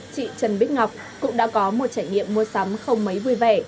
chị trần bích ngọc cũng đã có một trải nghiệm mua sắm không mấy vui vẻ